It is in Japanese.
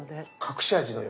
隠し味。